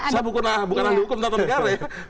saya bukan ah bukannya hukum tata negara ya